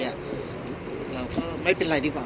พี่อัดมาสองวันไม่มีใครรู้หรอก